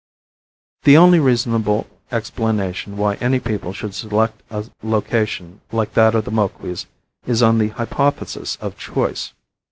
The only reasonable explanation why any people should select a location like that of the Moquis is on the hypothesis of choice.